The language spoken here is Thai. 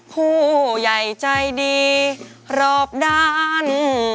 ผู้ใหญ่ใจดีรอบด้าน